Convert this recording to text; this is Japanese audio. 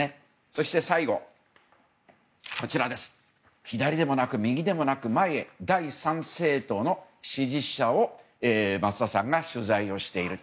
そして、最後左でもなく右でもなく前へ第三政党の支持者を増田さんが取材をしている。